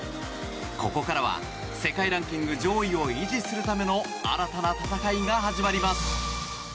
ここからは世界ランキング上位を維持するための新たな戦いが始まります。